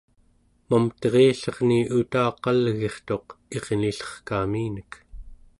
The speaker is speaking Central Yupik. mamterillerni utaqalgirtuq irnillerkaminek